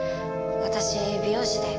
私美容師で。